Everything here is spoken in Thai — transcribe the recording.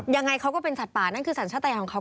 ยังไงเขาก็เป็นสัตว์ป่านั่นคือสัญชาติยาของเขา